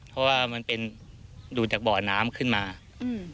เพราะว่ามันเป็นดูดจากบ่อน้ำขึ้นมาอืม